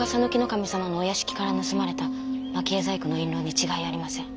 守様のお屋敷から盗まれた蒔絵細工の印籠に違いありません。